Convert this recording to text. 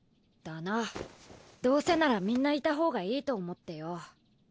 だなどうせならみんないたほうがいいと思ってよ。